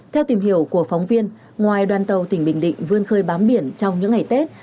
theo tìm hiểu của phóng viên ngoài đoàn tàu tỉnh bình định vươn khơi bám biển trong những ngày tết